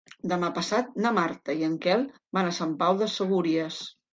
Demà passat na Marta i en Quel van a Sant Pau de Segúries.